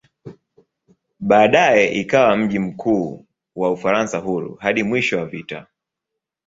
Baadaye ikawa mji mkuu wa "Ufaransa Huru" hadi mwisho wa vita.